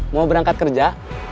mau berangkat kerja